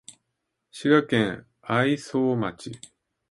滋賀県愛荘町